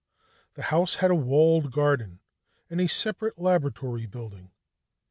The house had a walled garden and a separate laboratory building.